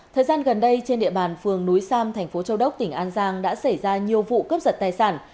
thời gian gần đây trên địa bàn phường núi sam thành phố châu đốc tỉnh an giang đã xảy ra nhiều vụ cướp giật tài sản